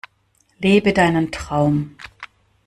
Lebe deinen Traum!